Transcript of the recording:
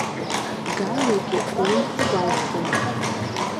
Галиагьы уи дгәалҭон.